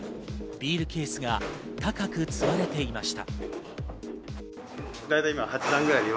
ビールケースが高く積まれていました。